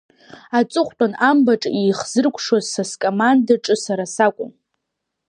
Аҵыхәтәан амбаҿы ихзыркәшоз са скомандаҿы сара сакәын.